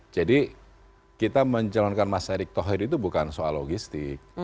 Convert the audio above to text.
jadi kita mencalonkan mas erick thohir itu bukan soal logistik